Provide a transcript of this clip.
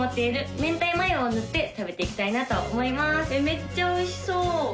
めっちゃおいしそう！